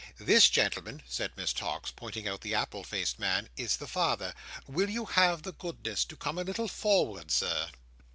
This gentleman," said Miss Tox, pointing out the apple faced man, "is the father. Will you have the goodness to come a little forward, Sir?"